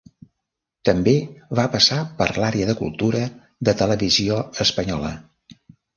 També va passar per l'àrea de cultura de Televisió Espanyola.